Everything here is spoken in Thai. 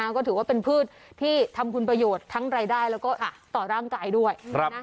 ก็ถือว่าเป็นพืชที่ทำคุณประโยชน์ทั้งรายได้แล้วก็ต่อร่างกายด้วย